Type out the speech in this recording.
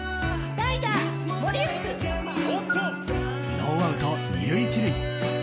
ノーアウト２塁１塁。